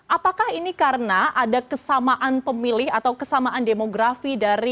apakah ini karena ada kesamaan pemilih atau kesamaan demografi dari